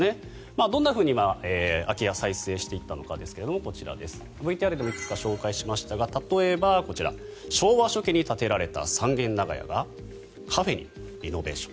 どんなふうに空き家再生していったのかですがＶＴＲでもいくつか紹介しましたが例えばこちら昭和初期に建てられた三軒長屋がカフェにリノベーション。